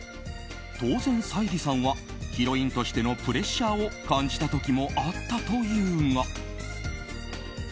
当然、沙莉さんはヒロインとしてのプレッシャーを感じた時もあったというが。